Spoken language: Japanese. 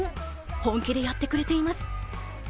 本気でやってくれています。